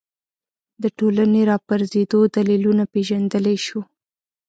د ټولنې راپرځېدو دلیلونه پېژندلی شو